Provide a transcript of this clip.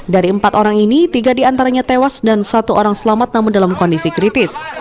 dari empat orang ini tiga diantaranya tewas dan satu orang selamat namun dalam kondisi kritis